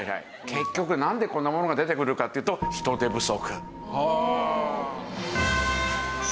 結局なんでこんなものが出てくるかというと人手不足。